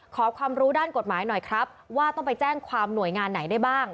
ขอความรู้ด้านกฎหมายหน่อยครับว่าต้องไปแจ้งความหน่วยงานไหนได้บ้าง